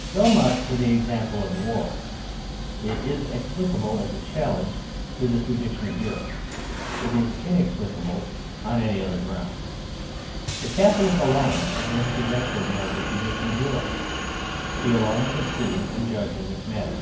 So much for the example of the war. It is explicable as a challenge to the tradition of Europe. It is inexplicable on any other ground. The Catholic alone is in possession of the tradition of Europe: he alone can see and judge in this matter.